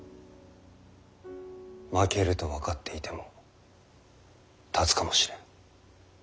負けると分かっていても立つかもしれん。